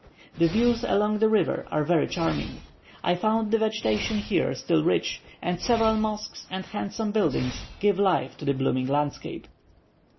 The views along the river are very charming; I found the vegetation here still rich, and several mosques and handsome buildings give life to the blooming landscape.